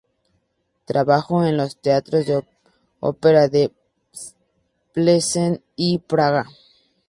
Trabajó en los teatros de ópera de Plzeň y Praga.